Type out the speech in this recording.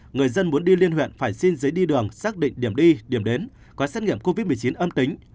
người dân muốn đi liên huyện phải xin giấy đi đường xác định điểm đi điểm đến có xét nghiệm covid một mươi chín âm tính